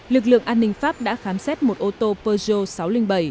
lực lượng an ninh pháp đã khám xét một ô tô pezio sáu trăm linh bảy